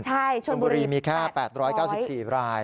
ชนบุรีมีแค่๘๙๔ราย